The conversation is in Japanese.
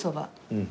うん。